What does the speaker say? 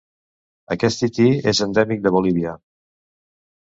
Aquest tití és endèmic de Bolívia.